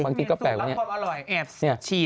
เห็นสู่ลักษณะความอร่อยแอบชี้